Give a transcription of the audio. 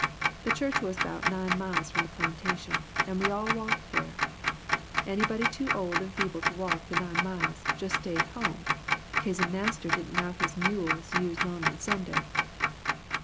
The church was 'bout nine miles from the plantation and we all walked there. Anybody too old and feeble to walk the nine miles jus' stayed home, kazen Marster didn't 'low his mules used none on Sunday.